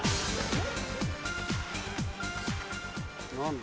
何だ？